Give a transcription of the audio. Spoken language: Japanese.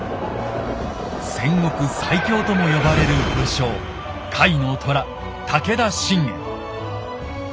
戦国最強とも呼ばれる武将甲斐の虎武田信玄。